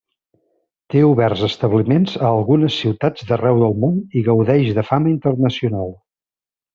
Té oberts establiments a algunes ciutats d'arreu del món i gaudeix de fama internacional.